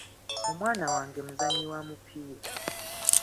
Omwana wange muzannyi wa mupiira.